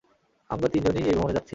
আমরা তিনজনই এই ভ্রমনে যাচ্ছি।